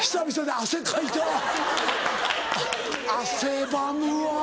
汗ばむわ。